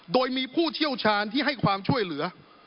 โดยมีผู้เชี่ยวชาญที่ให้ความช่วยเหลือ